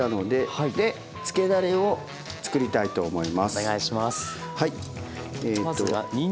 はい。